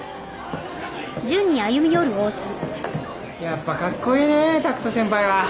やっぱかっこいいね拓人先輩は。